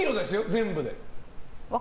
全部で。